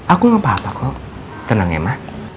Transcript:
aku gapapa kok tenang ya ma